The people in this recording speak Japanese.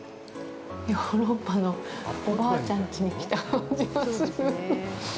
ヨーロッパのおばあちゃんちに来た感じがする。